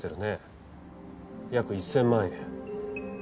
約１０００万円。